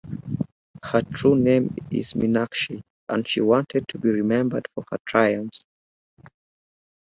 Her true name is Meenakshi and she wanted to be remembered for her triumphs.